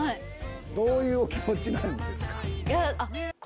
どういう気持ちなんですか？